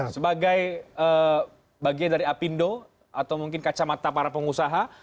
sebagai bagian dari apindo atau mungkin kacamata para pengusaha